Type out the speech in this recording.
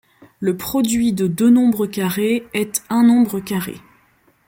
Le produit de deux nombres carrés est un nombre carré.